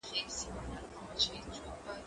زه هره ورځ مېوې وچوم؟